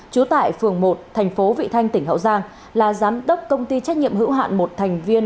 chú tại phường một tp vị thanh tỉnh hậu giang là giám đốc công ty trách nhiệm hữu hạn một thành viên